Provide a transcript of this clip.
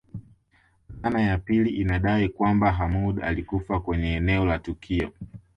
Dhana ya pili inadai kwamba Hamoud alikufa kwenye eneo la tukio